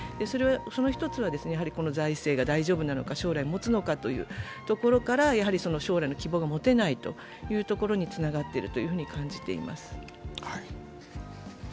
その１つは財政が大丈夫なのか、将来もつのかというところから将来の希望が持てないというところにつながっていると感じています。